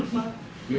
masuk dari rumah